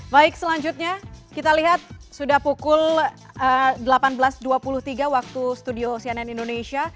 baik selanjutnya kita lihat sudah pukul delapan belas dua puluh tiga waktu studio cnn indonesia